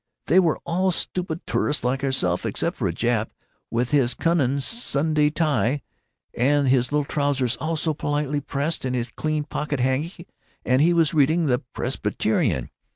They were all stupid tourists like ourselves, except for a Jap, with his cunnin' Sunday tie, and his little trousers all so politely pressed, and his clean pocket hanky. And he was reading The Presbyterian!...